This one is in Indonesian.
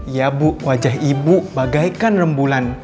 ya bu wajah ibu bagaikan rembulan